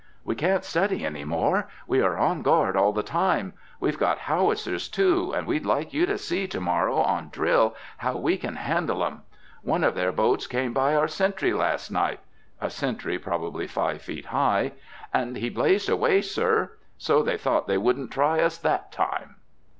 "We can't study any more. We are on guard all the time. We've got howitzers, too, and we'd like you to see, to morrow, on drill, how we can handle 'em. One of their boats came by our sentry last night," (a sentry probably five feet high,) "and he blazed away, Sir. So they thought they wouldn't try us that time."